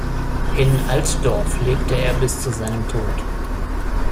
In Altdorf lebte er bis zu seinem Tod.